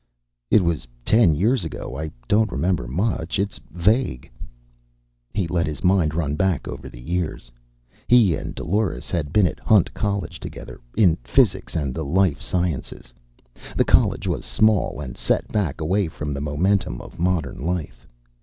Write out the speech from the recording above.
"It was ten years ago. I don't remember much. It's vague." He let his mind run back over the years. He and Dolores had been at Hunt College together, in physics and the life sciences. The College was small and set back away from the momentum of modern life.